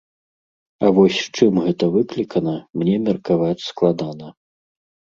А вось чым гэта выклікана, мне меркаваць складана.